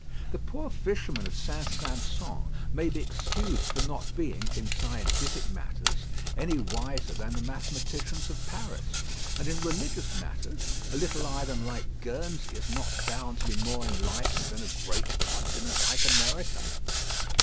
The poor fishermen of St. Sampson may be excused for not being, in scientific matters, any wiser than the mathematicians of Paris; and in religious matters, a little island like Guernsey is not bound to be more enlightened than a great continent like America.